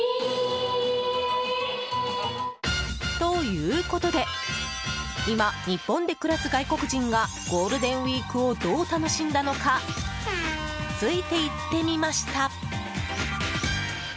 ということで今、日本で暮らす外国人がゴールデンウィークをどう楽しんだのかついていってみました。